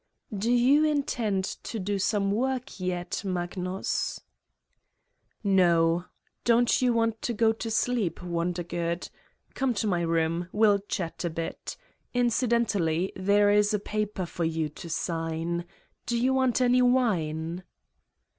"Do you intend to do some work yet, Magnus !" "No. Don't you want to go to sleep, Wonder good? Come to my room. We'll chat a bit. In cidentally, there is a paper for you to sign. Do you want any wine?"